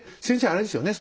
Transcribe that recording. あれですよね。